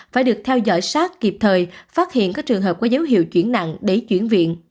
phải được theo dõi sát kịp thời phát hiện các trường hợp có dấu hiệu chuyển nặng để chuyển viện